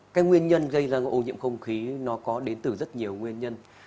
cái nguyên nhân gây ra ô nhiễm không khí nó có đến từ rất nhiều nguyên nhân